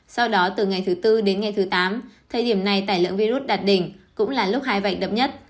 sau đó từ ngày thứ tư đến ngày thứ tám thời điểm này tải lượng virus đạt đỉnh cũng là lúc hai vạch đập nhất